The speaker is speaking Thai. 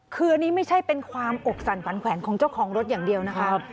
คืออันนี้ไม่ใช่เป็นความอกสั่นฝันแขวนของเจ้าของรถอย่างเดียวนะคะ